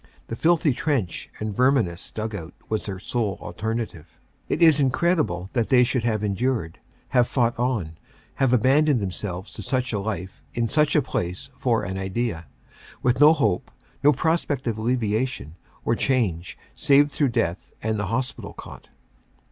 The filthy trench and verminous dug out was their sole alternative. It is in credible that they should have endured, have fought on, have abandoned themselves to such a life in such a place for an idea ; with no hope, no prospect of alleviation or change save through death and the hospital cot.